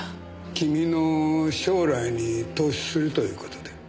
君の将来に投資するという事で。